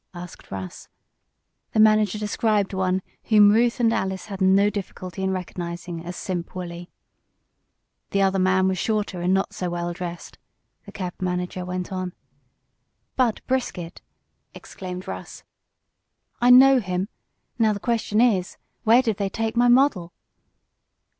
asked Russ. The manager described one whom Ruth and Alice had no difficulty in recognizing as Simp Wolley. "The other man was shorter and not so well dressed," the cab manager went on. "Bud Brisket!" exclaimed Russ. "I know him. Now the question is: Where did they take my model?"